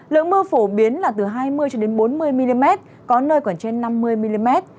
lượng mưa phổ biến là từ hai mươi bốn mươi mm có nơi còn trên năm mươi mm